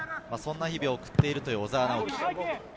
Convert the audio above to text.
そんな日々を送っているという小澤直輝。